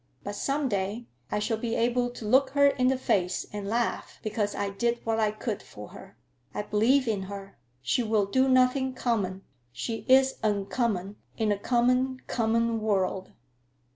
"But some day I shall be able to look her in the face and laugh because I did what I could for her. I believe in her. She will do nothing common. She is uncommon, in a common, common world.